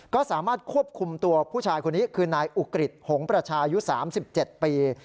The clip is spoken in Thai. ก็สามารถควบคุมตัวผู้ชายคนนี้คือนายอุกฤษหงประชาอายุ๓๗ปี